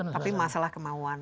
tapi masalah kemauan